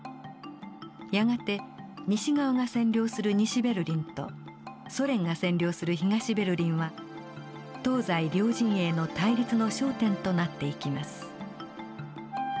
やがて西側が占領する西ベルリンとソ連が占領する東ベルリンは東西両陣営の対立の焦点となっていきます。